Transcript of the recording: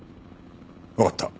わかった。